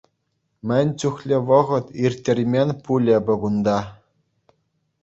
Мӗн чухлӗ вӑхӑт ирттермен пулӗ эпӗ кунта!